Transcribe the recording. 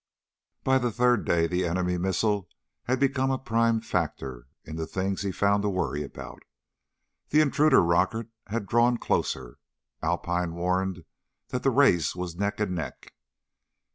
By the third day the enemy missile had become a prime factor in the things he found to worry about. The intruder rocket had drawn closer. Alpine warned that the race was neck and neck.